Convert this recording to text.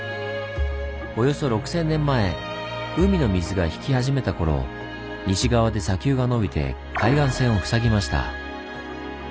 およそ６０００年前海の水が引き始めた頃西側で砂丘がのびて海岸線を塞ぎました。